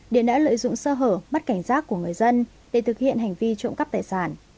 điền đã lợi dụng sơ hở mất cảnh giác của người dân để thực hiện hành vi trộm cắp tài sản